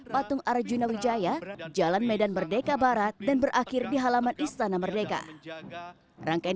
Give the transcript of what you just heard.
patung arjuna wijaya jalan medan merdeka barat dan berakhir di halaman istana merdeka rangkaian